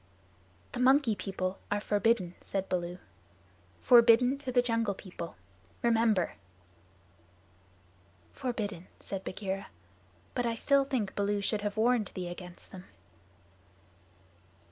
"The Monkey People are forbidden," said Baloo, "forbidden to the Jungle People. Remember." "Forbidden," said Bagheera, "but I still think Baloo should have warned thee against them."